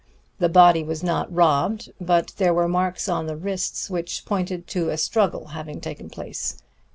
The body was not robbed, but there were marks on the wrists which pointed to a struggle having taken place.